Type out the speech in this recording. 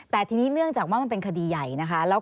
แต่ทีนี้เนื่องจากว่ามันเป็นคดีใหญ่นะคะ